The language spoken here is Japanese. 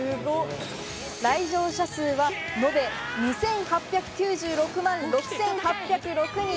来場者数は延べ２８９６万６８０６人。